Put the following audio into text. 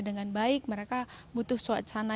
dengan baik mereka butuh suasana